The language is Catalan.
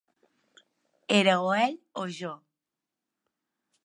Era o ell o jo.